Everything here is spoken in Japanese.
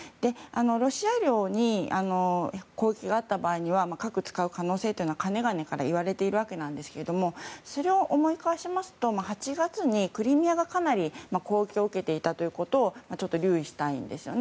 ロシア領に交付があった場合は核を使う可能性はかねがねからいわれているわけですがそれを思い返しますと８月にクリミアがかなり攻撃を受けていたことをちょっと留意したいんです。